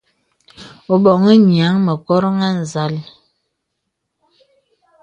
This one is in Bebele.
Ō boŋhi nīəŋ mə koròŋ à nzàl.